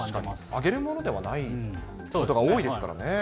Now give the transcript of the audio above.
あげるものではない方が多いですからね。